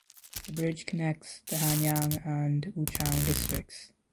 The bridge connects the Hanyang and Wuchang districts.